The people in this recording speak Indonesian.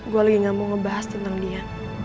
gue lagi gak mau ngebahas tentang dia